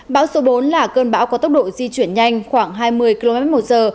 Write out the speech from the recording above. bão số bốn là cơn bão có tốc độ di chuyển nhanh khoảng hai mươi km một giờ